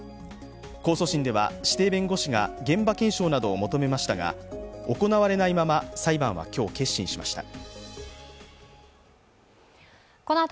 控訴審では指定弁護士が現場検証などを求めましたが、行われないまま、裁判は今日結審しました。